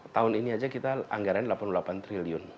tahun ini saja kita anggaran delapan puluh delapan triliun